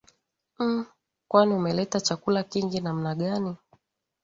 Mmmh! Kwani umeleta chakula kingi namna gani!